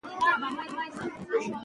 را درومه لالیه دونيا په بېلتون نه ارځي